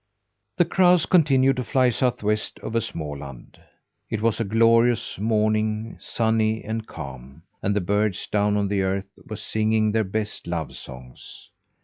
The crows continued to fly southwest, over Småland. It was a glorious morning sunny and calm; and the birds down on the earth were singing their best love songs.